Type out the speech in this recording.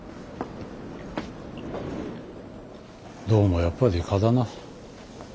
どうもやっぱり蚊だな。